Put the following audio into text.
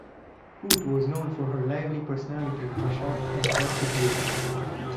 Coote was known for her lively personality and her sharp and caustic wit.